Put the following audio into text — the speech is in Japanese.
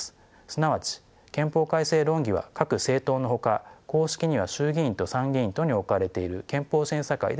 すなわち憲法改正論議は各政党のほか公式には衆議院と参議院とに置かれている憲法審査会で行われています。